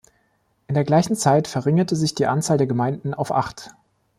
In der gleichen Zeit verringerte sich die Anzahl der Gemeinden auf acht.